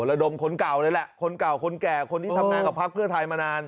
ระดมคนเก่าเลยแหละคนเก่าคนแก่คนที่ทำงานกับพักเพื่อไทยมานาน